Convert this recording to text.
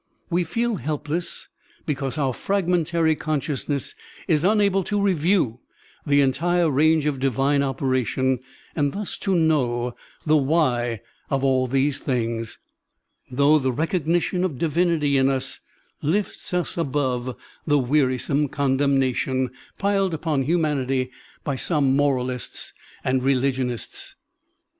We feel helpless because our fragmentary consciousness is unable to review the entire range of divine operation and thus to know the why of all these things, though the recognition of divinity in us lifts us above the wearisome con Digitized by Google 3 2 SERMONS OP A BUDDHIST ABBOT demnation piled upon htimanity by some moral' ists and religionists.